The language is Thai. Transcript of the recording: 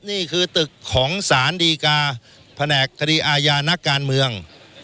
นี่คือตึกของสารดีกาแผนกคดีอาญานักการเมือง